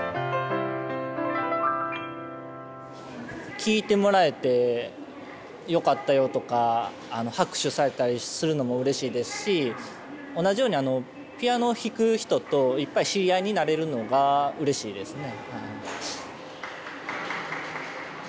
聴いてもらえてよかったよとか拍手されたりするのもうれしいですし同じようにピアノを弾く人といっぱい知り合いになれるのがうれしいですね。